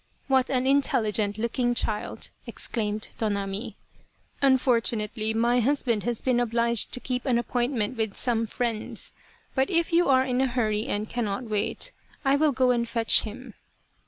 " What an intelligent looking child !" exclaimed Tonami. " Unfortunately my husband has been obliged to keep an appointment with some friends. But if you are in a hurry and cannot wait, I will go and fetch him."